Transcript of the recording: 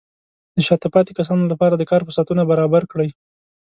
د شاته پاتې کسانو لپاره د کار فرصتونه برابر کړئ.